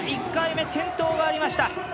１回目、転倒がありました。